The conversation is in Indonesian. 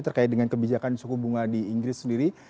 terkait dengan kebijakan suku bunga di inggris sendiri